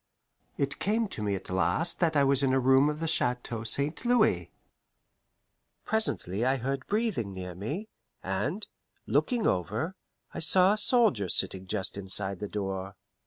It came to me at last that I was in a room of the Chateau St. Louis. Presently I heard breathing near me, and, looking over, I saw a soldier sitting just inside the door.